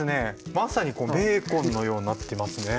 まさにこのベーコンのようになってますね。